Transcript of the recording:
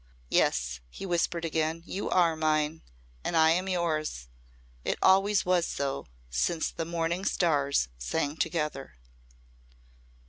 "Yes," he whispered again. "You are mine. And I am yours. It always was so since the morning stars sang together."